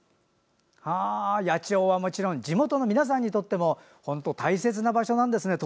野鳥はもちろん地元の皆さんにとっても本当、大切な場所なんですね。